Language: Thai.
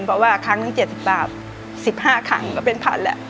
เพราะว่าครั้งหนึ่ง๗๐บาท๑๕ครั้งก็เป็นพันแล้ว